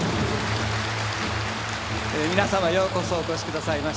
皆様ようこそお越しくださいました。